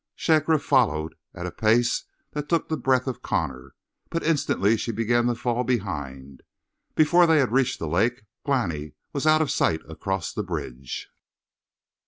Shakra followed at a pace that took the breath of Connor, but instantly she began to fall behind; before they had reached the lake Glani was out of sight across the bridge.